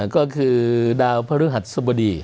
ก็คือดาวพระฤหัสสบดี